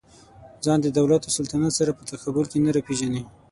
ځان د دولت او سلطنت سره په تقابل کې نه راپېژني.